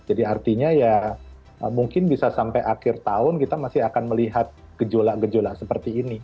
jadi artinya ya mungkin bisa sampai akhir tahun kita masih akan melihat gejolak gejolak seperti ini